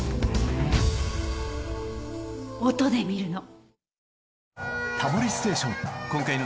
音で見るの。